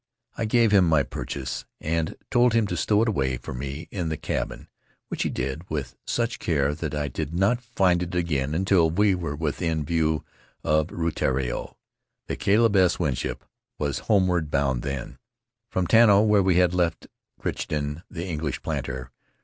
I gave him my purchase and told him to stow it away for me in the cabin, which he did with such care that I did not find it again until we were within view of Rutiaro. The Caleb S. Winship was homeward bound then, from Tanao, where we had left Crichton, the English planter.